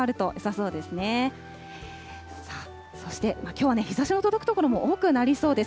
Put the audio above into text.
そしてきょうは日ざしの届く所も多くなりそうです。